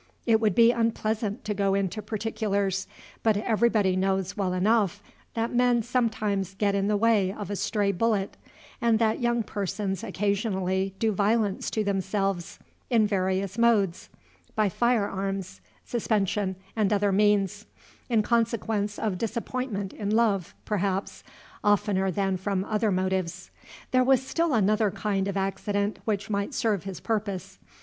It would be unpleasant to go into particulars; but everybody knows well enough that men sometimes get in the way of a stray bullet, and that young persons occasionally do violence to themselves in various modes, by firearms, suspension, and other means, in consequence of disappointment in love, perhaps, oftener than from other motives. There was still another kind of accident which might serve his purpose.